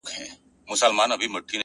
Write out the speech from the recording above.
په مسجدونو کي چي لس کلونه ونه موندې’